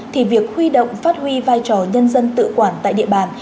thì việc huy động phát huy vai trò nhân dân tự quản tại địa bàn